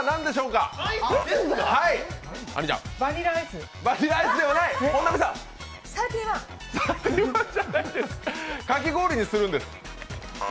かき氷にするんです。